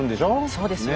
そうですよ。